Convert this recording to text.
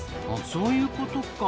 そういうことか。